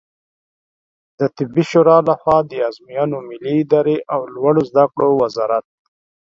د طبي شورا له خوا د آزموینو ملي ادارې او لوړو زده کړو وزارت